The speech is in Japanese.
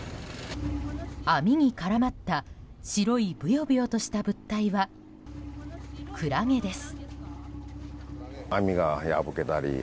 網に絡まった白いブヨブヨとした物体は、クラゲです。